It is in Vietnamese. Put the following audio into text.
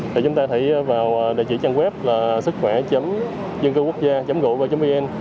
thì chúng ta hãy vào địa chỉ trang web là sứckhoe dâncưquốcgia gov vn